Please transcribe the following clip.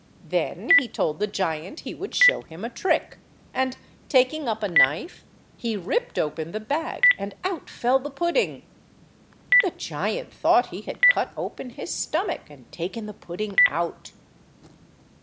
Then he told the giant he would show him a trick, and taking up a knife he ripped open the bag and out fell the pudding. The giant thought he had cut open his stomach and taken the pudding out.